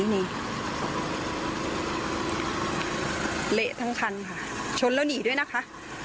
เหละทั้งคันค่ะชนแล้วหนีด้วยนะคะ